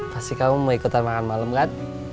pasti kamu mau ikutan makan malam kan